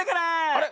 あれ？